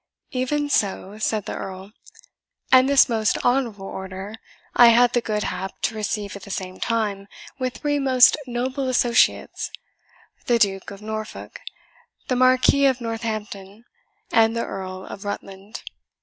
"Even so," said the Earl; "and this most honourable Order I had the good hap to receive at the same time with three most noble associates, the Duke of Norfolk, the Marquis of Northampton, and the Earl of Rutland.